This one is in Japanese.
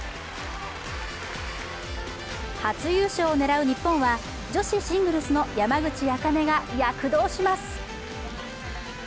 初優勝を狙う日本は女子シングルスの山口茜が躍動します。